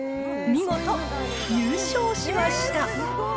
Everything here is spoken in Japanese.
見事優勝しました。